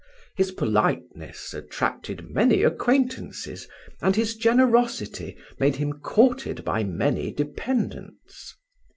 His politeness attracted many acquaintances, and his generosity made him courted by many dependants.